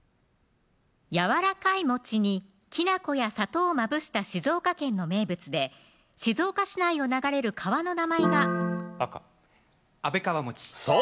やわらかいにきな粉や砂糖をまぶした静岡県の名物で静岡市内を流れる川の名前が赤安倍川そう